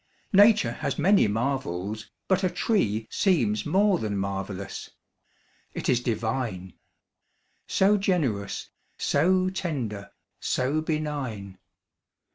Nature has many marvels; but a tree Seems more than marvellous. It is divine. So generous, so tender, so benign.